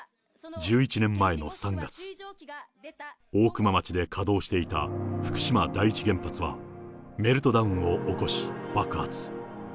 １１年前の３月、大熊町で稼働していた福島第一原発は、メルトダウンを起こし、爆発。